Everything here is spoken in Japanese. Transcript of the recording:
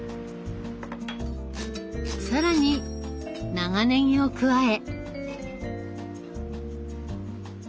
更に長ねぎを加え。